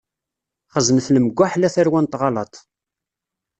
Xeznet lemkaḥel a tarwa n tɣalaḍt.